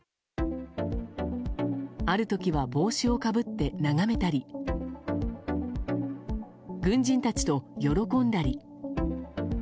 ある時は帽子をかぶって眺めたり軍人たちと喜んだり。